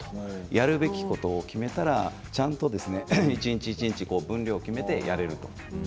やるべきことを決めたらちゃんと一日一日分量を決めてやれる。